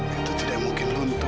itu tidak mungkin luntur